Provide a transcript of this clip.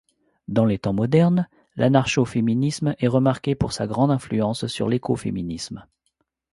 Dans les temps modernes, l'anarcho-féminisme est remarqué pour sa grande influence sur l'écoféminisme.